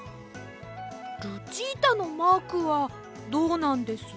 ルチータのマークはどうなんです？